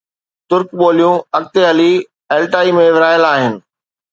ترڪ ٻوليون اڳتي هلي Altai ۾ ورهايل آهن